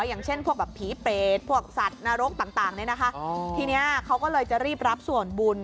อย่างเช่นพวกแบบผีเปรตพวกสัตว์นรกต่างเนี่ยนะคะทีนี้เขาก็เลยจะรีบรับส่วนบุญ